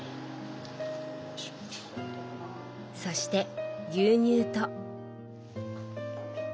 そして牛乳と。